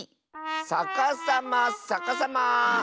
さかさまさかさま。